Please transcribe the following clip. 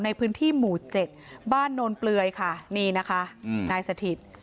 ในพื้นที่หมู่เจ็ดบ้านโนนเปลือยค่ะนี่นะคะนายสถิต